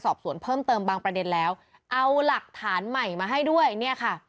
สอบสวนเพิ่มเติมบางประเด็นแล้วเอาหลักฐานใหม่มาให้ด้วยเนี่ยค่ะ